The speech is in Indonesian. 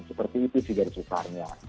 seperti itu sih dari susarnya